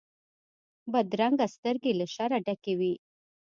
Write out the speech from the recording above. بدرنګه سترګې له شره ډکې وي